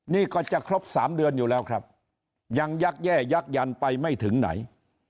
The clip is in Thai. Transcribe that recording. นี่ก็จะครบ๓เดือนอยู่แล้วครับยังยักแย่ยักยันไปไม่ถึงไหน